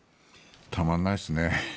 たまんないですね。